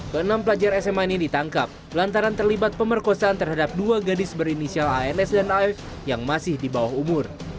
keenam pelajar sma ini ditangkap lantaran terlibat pemerkosaan terhadap dua gadis berinisial ans dan af yang masih di bawah umur